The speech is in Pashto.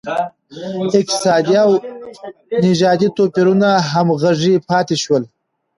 اقتصادي او نژادي توپیرونه همغږي پاتې شول.